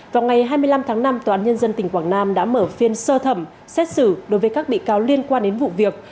vào ngày hai mươi năm tháng năm tòa án nhân dân tỉnh quảng nam đã mở phiên sơ thẩm xét xử đối với các bị cáo liên quan đến vụ việc